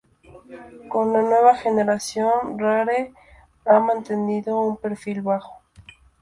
Con la nueva generación Rare ha mantenido un perfil bajo.